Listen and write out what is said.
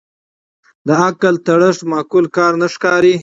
د عقل تړښت معقول کار نه ښکاري